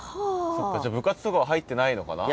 じゃあ部活とかは入ってないのかな？